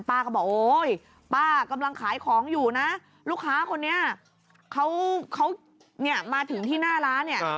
ป้าก็บอกโอ๊ยป้ากำลังขายของอยู่นะลูกค้าคนนี้เขาเนี่ยมาถึงที่หน้าร้านเนี่ย